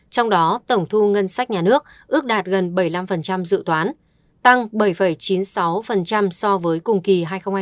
trong đó tổng thu ngân sách nhà nước ước đạt gần bảy mươi năm dự toán tăng bảy chín mươi sáu so với cùng kỳ hai nghìn hai mươi ba